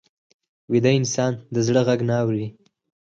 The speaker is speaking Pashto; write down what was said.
ویده انسان د زړه غږ نه اوري